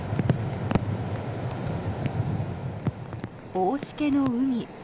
大しけの海。